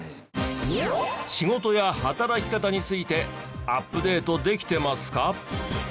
仕事や働き方についてアップデートできてますか？